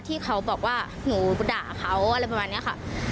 ที่เขาบอกว่าหนูด่าเขาอะไรประมาณนี้ค่ะ